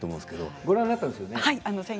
ご覧になったんですよね。